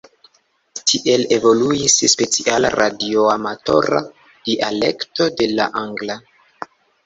Tiel evoluis speciala radioamatora dialekto de la angla.